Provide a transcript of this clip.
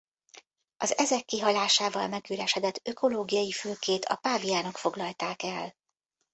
Az ezek kihalásával megüresedett ökológiai fülkét a páviánok foglalták el.